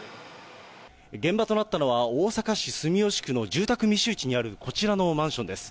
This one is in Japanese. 現場となったのは、大阪市住吉区の住宅密集地にあるこちらのマンションです。